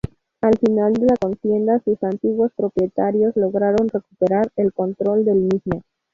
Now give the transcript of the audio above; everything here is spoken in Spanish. Al final de la contienda sus antiguos propietarios lograron recuperar el control del mismo.